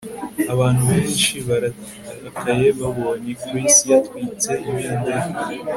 Abantu benshi bararakaye babonye Chris yatwitse ibendera